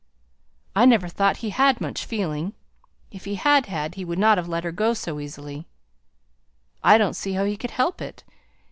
"I never thought he had much feeling. If he had had, he would not have let her go so easily." "I don't see how he could help it.